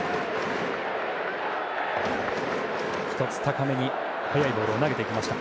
１つ高めに速いボールを投げていきました。